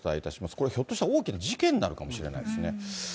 これ、ひょっとしたら大きな事件になるかもしれないですね。